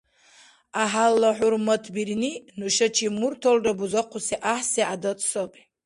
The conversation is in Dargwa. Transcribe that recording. Гӏяхӏялла хӏурматбирни — нушачиб мурталра бузахъуси гӏяхӏси гӏядат саби.